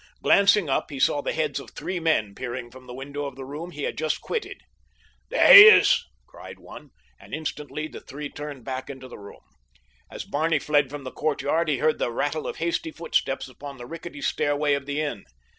Glancing up, he saw the heads of three men peering from the window of the room he had just quitted. "There he is!" cried one, and instantly the three turned back into the room. As Barney fled from the courtyard he heard the rattle of hasty footsteps upon the rickety stairway of the inn.